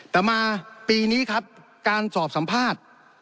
แต่มาปีนี้ครับการสอบสัมภาษณ์